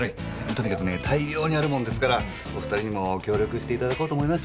とにかくね大量にあるもんですからお２人にも協力していただこうと思いましてね。